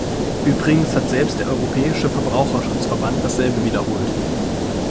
Übrigens hat selbst der Europäische Verbraucherschutzverband dasselbe widerholt.